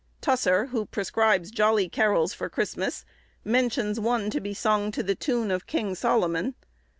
Tusser, who prescribes jolly carols for Christmas, mentions one to be sung to the tune of King Solomon.